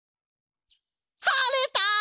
はれた！